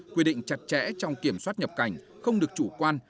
quy định chặt chẽ trong kiểm soát nhập cảnh không được chủ quan